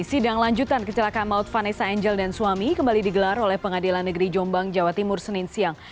sidang lanjutan kecelakaan maut vanessa angel dan suami kembali digelar oleh pengadilan negeri jombang jawa timur senin siang